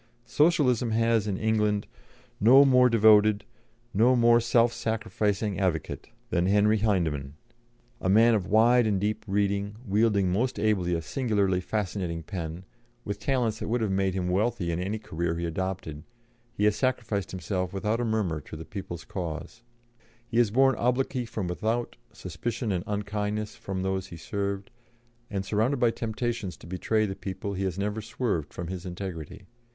Socialism has in England no more devoted, no more self sacrificing advocate than Henry Hyndman. A man of wide and deep reading, wielding most ably a singularly fascinating pen, with talents that would have made him wealthy in any career he adopted, he has sacrificed himself without a murmur to the people's cause. He has borne obloquy from without, suspicion and unkindness from those he served, and surrounded by temptations to betray the people, he has never swerved from his integrity.